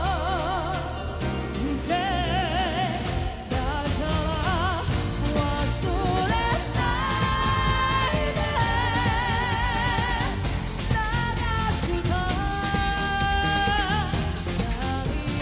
「だから忘れないで流した涙を」